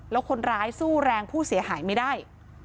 แล้วคนร้ายสู้แรงผู้เสียหายไม่ได้